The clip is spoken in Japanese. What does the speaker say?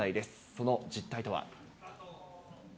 その実態とは。